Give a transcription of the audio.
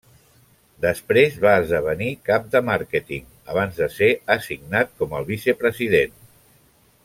Després va esdevenir cap de màrqueting abans de ser assignat com el vicepresident.